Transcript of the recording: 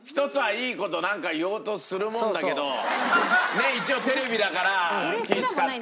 ねえ一応テレビだから気を使って。